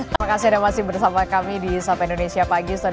terima kasih anda masih bersama kami di sapa indonesia pagi